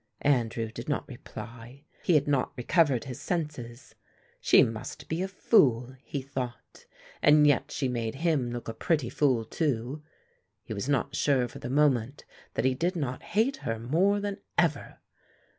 Andrew did not reply; he had not recovered his senses. She must be a fool, he thought, and yet she made him look a pretty fool, too; he was not sure for the moment that he did not hate her more than ever.